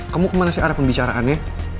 kamu kemana sih arah pembicaraannya